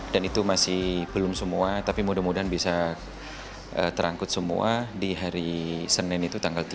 dan itu masih belum semua tapi mudah mudahan bisa terangkut semua di hari senin itu tanggal tiga